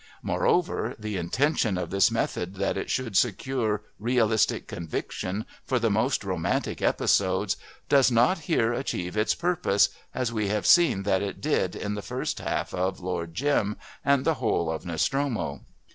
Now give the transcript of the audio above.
Moreover, the intention of this method that it should secure realistic conviction for the most romantic episodes does not here achieve its purpose, as we have seen that it did in the first half of Lord Jim and the whole of Nostromo.